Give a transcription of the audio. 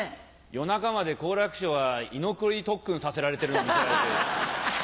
夜中まで好楽師匠が居残り特訓させられてるの見せられて。